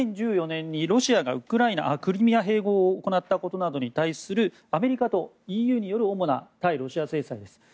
２０１４年、ロシアがクリミア併合を行ったことなどに対するアメリカとＥＵによる主な対ロシア政策です。